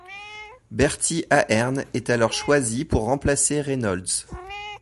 Bertie Ahern est alors choisi pour remplacer Reynolds.